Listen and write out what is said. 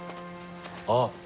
あっ。